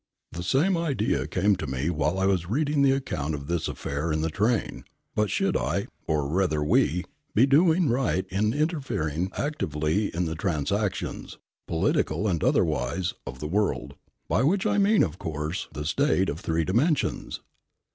The same idea came to me while I was reading the account of this affair in the train; but should I, or, rather we, be doing right in interfering actively in the transactions, political and otherwise, of the world by which I mean, of course, the state of three dimensions?